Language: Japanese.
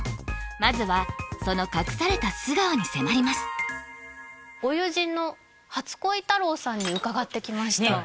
まずはその隠された素顔に迫りますご友人の初恋タローさんに伺ってきましたねえ